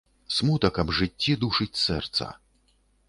Смутак аб жыцці душыць сэрца.